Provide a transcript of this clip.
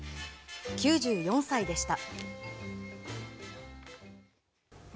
９４歳でした。